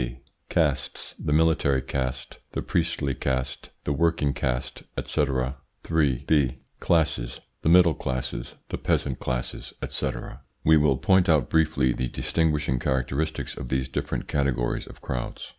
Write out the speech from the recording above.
Castes (the military caste, B. Homogeneous the priestly caste, the crowds. working caste, &c.). 3. Classes (the middle classes, the peasant classes, &c.). We will point out briefly the distinguishing characteristics of these different categories of crowds.